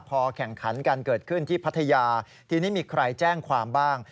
พอแข่งขันกันเกิดขึ้นที่พัทยาทีนี้มีใครแจ้งความบ้าง